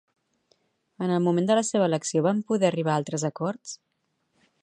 En el moment de la seva elecció van poder arribar a altres acords?